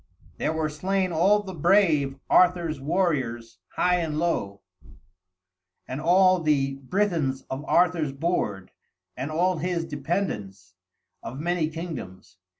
There were slain all the brave, Arthur's warriors, high and low, and all the Britons of Arthur's board, and all his dependents, of many kingdoms.